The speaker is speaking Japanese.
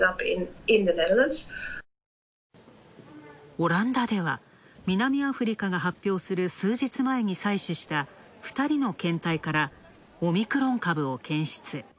オランダでは、南アフリカが発表する数日前に採取した２人の検体からオミクロン株を検出。